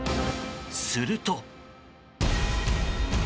すると。